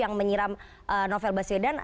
yang menyiram novel baswedan